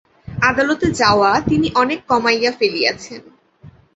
আদালতে যাওয়া তিনি অনেক কমাইয়া ফেলিয়াছেন।